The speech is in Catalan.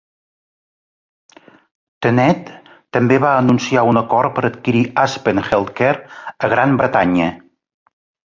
Tenet també va anunciar un acord per adquirir Aspen Healthcare a Gran Bretanya.